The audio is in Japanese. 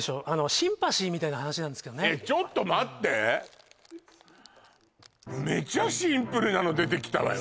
シンパシーみたいな話なんですけどねえっちょっと待ってめちゃシンプルなの出てきたわよ